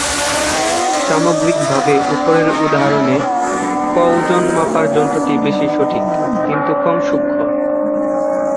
সামগ্রিকভাবে উপরের উদাহরণে "ক" ওজন মাপার যন্ত্রটি বেশি সঠিক, কিন্তু কম সূক্ষ্ম।